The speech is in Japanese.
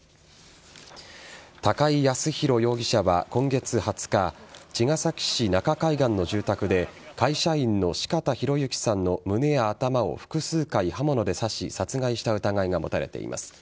高井靖弘容疑者は今月２０日茅ヶ崎市中海岸の住宅で会社員の四方洋行さんの胸や頭を複数回刃物で刺し殺害した疑いが持たれています。